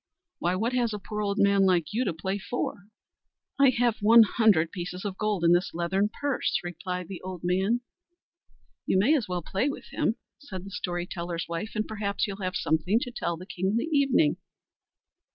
Why what has a poor old man like you to play for?" "I have one hundred pieces of gold in this leathern purse," replied the old man. "You may as well play with him," said the story teller's wife; "and perhaps you'll have something to tell the king in the evening."